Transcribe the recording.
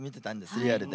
リアルで。